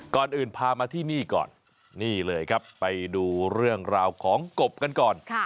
ก่อนอื่นพามาที่นี่ก่อนนี่เลยครับไปดูเรื่องราวของกบกันก่อน